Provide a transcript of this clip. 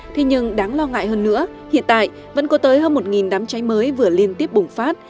thế nhưng đáng lo ngại hơn nữa hiện tại vẫn có tới hơn một đám cháy mới vừa liên tiếp bùng phát